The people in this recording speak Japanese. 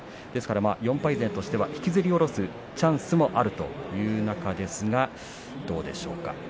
４敗勢としては引きずり降ろすチャンスもあるという中ですがどうでしょうか。